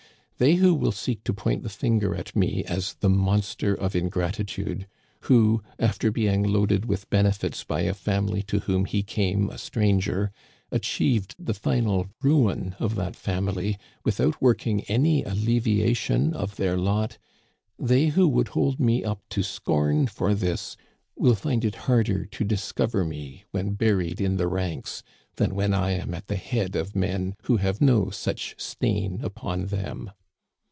They who will seek to Digitized by VjOOQIC THE SHIPWRECK OF THE AUGUSTE, 225 point the finger at me as the monster of ingratitude, who, after being loaded with benefits by a family to whom he came a stranger, achieved the final ruin of that family without working any alleviation of their lot — they who would hold me up to scorn for this will find it harder to discover me when buried in the ranks than when I am at the head of men who have no such stain upon them.